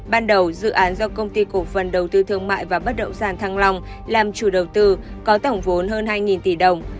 ban đầu dự án do công ty cổ phần đầu tư thương mại và bất động sản thăng long làm chủ đầu tư có tổng vốn hơn hai tỷ đồng